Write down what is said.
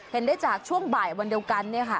เห็นได้จากช่วงบ่ายวันเดียวกัน